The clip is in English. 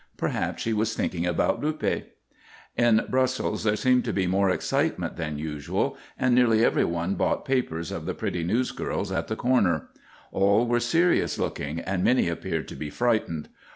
Perhaps she was thinking about Luppe. In Brussels there seemed to be more excitement than usual, and nearly every one bought papers of the pretty newsgirls at the corner. All were serious looking and many appeared to be frightened.